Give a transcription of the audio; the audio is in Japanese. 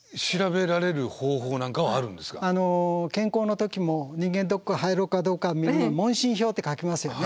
健康の時も人間ドック入ろうかどうか問診票って書きますよね。